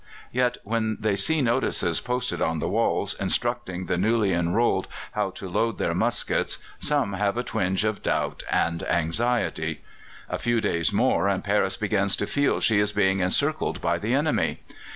Yet when they see notices posted on the walls instructing the newly enrolled how to load their muskets, some have a twinge of doubt and anxiety. A few days more, and Paris begins to feel she is being encircled by the enemy.